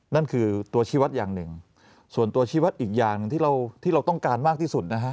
นั่นคือตัวชีวัตรอย่างหนึ่งส่วนตัวชีวัตรอีกอย่างหนึ่งที่เราที่เราต้องการมากที่สุดนะฮะ